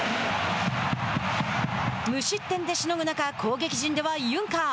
無失点でしのぐ中攻撃陣ではユンカー。